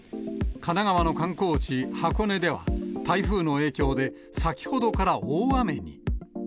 神奈川の観光地、箱根では、台風の影響で、先ほどから大雨に。